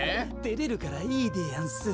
てれるからいいでやんす。